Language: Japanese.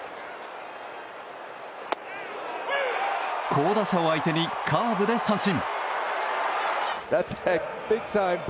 好打者を相手にカーブで三振。